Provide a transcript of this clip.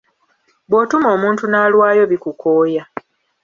Bw’otuma omuntu n’alwayo bikukooya.